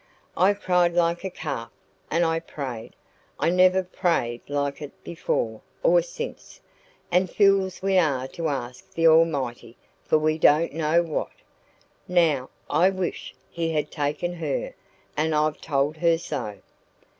I cried like a calf, and I prayed I never prayed like it before or since and fools we are to ask the Almighty for we don't know what! Now I wish He had taken her. And I've told her so."